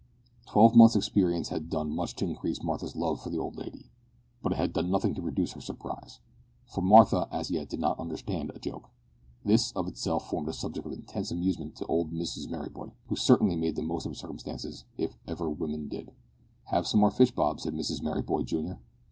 Twelve months' experience had done much to increase Martha's love for the old lady, but it had done nothing to reduce her surprise; for Martha, as yet, did not understand a joke. This, of itself, formed a subject of intense amusement to old Mrs Merryboy, who certainly made the most of circumstances, if ever woman did. "Have some more fish, Bob," said Mrs Merryboy, junior.